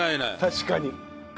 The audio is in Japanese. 確かに。